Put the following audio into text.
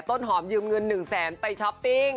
ต้นหอมยืมเงิน๑แสนไปช้อปปิ้ง